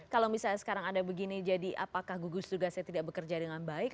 kalau misalnya sekarang ada begini jadi apakah gugus tugasnya tidak bekerja dengan baik